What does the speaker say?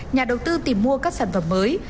nhà đầu tư tìm mua các sản phẩm mới